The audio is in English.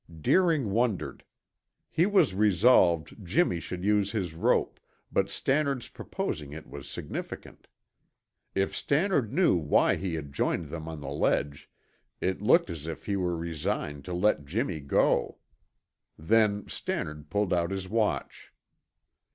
Deering wondered. He was resolved Jimmy should use his rope, but Stannard's proposing it was significant. If Stannard knew why he had joined them on the ledge, it looked as if he were resigned to let Jimmy go. Then Stannard pulled out his watch.